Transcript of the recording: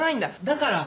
だから。